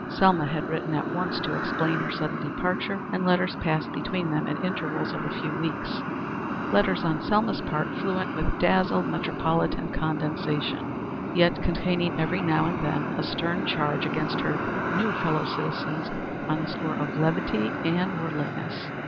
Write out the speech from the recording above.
Selma had written at once to explain her sudden departure, and letters passed between them at intervals of a few weeks letters on Selma's part fluent with dazzled metropolitan condescension, yet containing every now and then a stern charge against her new fellow citizens on the score of levity and worldliness.